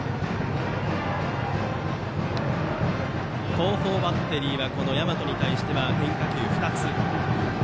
東邦バッテリーはこの山戸に対しては変化球２つ。